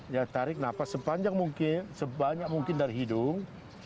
ya tarik nafas sepanjang mungkin sebanyak mungkin dari hidung